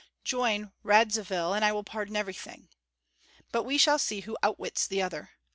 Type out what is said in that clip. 'Join Radzivill and I will pardon everything.' But we shall see who outwits the other.